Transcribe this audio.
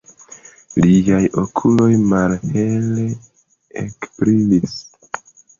Liaj okuloj malhele ekbrilis.